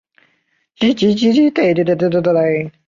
属茫部路。